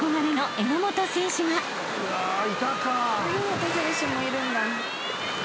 榎本選手もいるんだ。